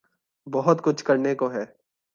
بہت کچھ کرنے کو ہے۔